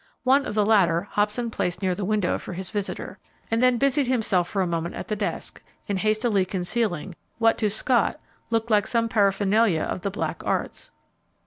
One of the latter Hobson placed near the window for his visitor, and then busied himself for a moment at the desk in hastily concealing what to Scott looked like some paraphernalia of the black arts.